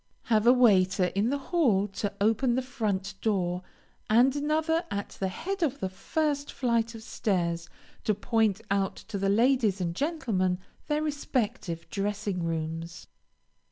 Have a waiter in the hall to open the front door, and another at the head of the first flight of stairs, to point out to the ladies and gentlemen their respective dressing rooms.